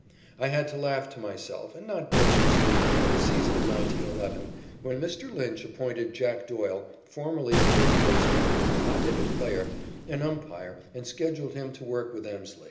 I had to laugh to myself, and not boisterously, in the season of 1911 when Mr. Lynch appointed "Jack" Doyle, formerly a first baseman and a hot headed player, an umpire and scheduled him to work with Emslie.